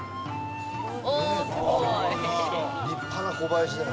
立派な「小林」だよ。